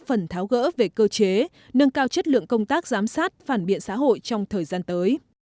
phần tháo gỡ về cơ chế nâng cao chất lượng công tác giám sát phản biện xã hội trong thời gian tới